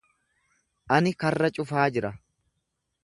Ani karra cufaa jira.